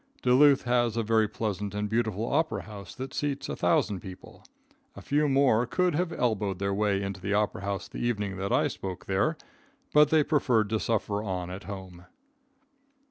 Duluth has a very pleasant and beautiful opera house that seats 1,000 people. A few more could have elbowed their way into the opera house the evening that I spoke there, but they preferred to suffer on at home.